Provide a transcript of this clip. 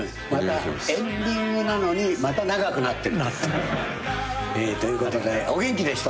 エンディングなのにまた長くなってると。ということでお元気で一つ。